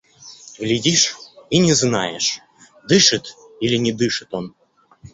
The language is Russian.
Глядишь и не знаешь: дышит или не дышит он.